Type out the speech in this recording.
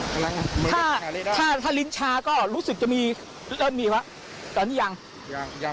กำลังถ้าถ้าลิ้นชาก็รู้สึกจะมีเริ่มมีวะตอนนี้ยังยังยัง